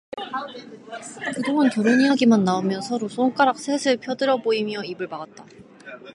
그 동안 결혼 이야기만 나오면 서로 손가락 셋을 펴들어 보이며 입을 막았다.